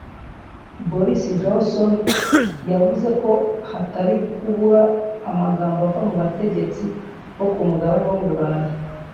Boris Johnson yavuze ko hatari kubura amagambo ava mu bategetsi bo ku mugabane w’u Burayi